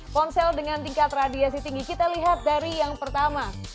ponsel dengan tingkat radiasi tinggi kita lihat dari yang pertama